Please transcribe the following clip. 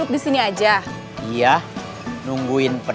obteng timeancing kita both